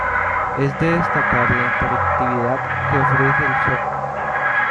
Es de destacar la interactividad que ofrece el Zoo.